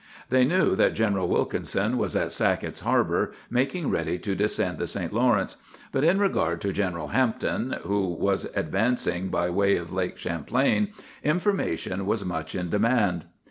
They knew that General Wilkinson was at Sackett's Harbor, making ready to descend the St. Lawrence; but in regard to General Hampton, who was advancing by way of Lake Champlain, information was much in demand.